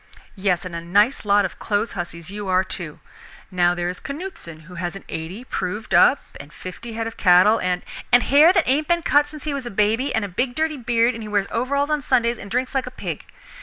"Yes, and a nice lot of store clothes huzzies you are too. Now there is Canuteson who has an 'eighty' proved up and fifty head of cattle and " "And hair that ain't been cut since he was a baby, and a big dirty beard, and he wears overalls on Sundays, and drinks like a pig.